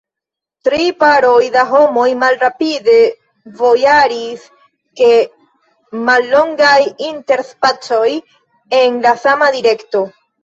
Tri paroj da homoj malrapide vojiris, je mallongaj interspacoj, en la sama direkto.